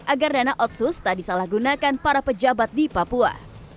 agar dana otsus tak disalahgunakan para pejabat di papua